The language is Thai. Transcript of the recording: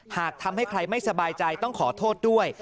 หากทำให้ใครไม่สบายใจต้องขอโทษด้วย